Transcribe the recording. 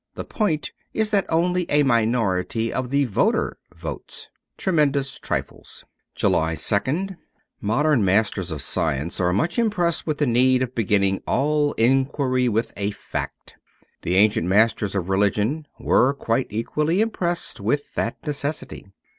The point is that only a minority of the voter votes. *■ Tremendous 'Triples.'' 203 JULY 2nd MODERN masters of science are much impressed with the need of beginning all inquiry with a fact. The ancient masters of religion were quite equally impressed with that necessity.